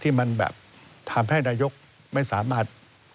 ที่มันแบบทำให้นายกไม่สามารถ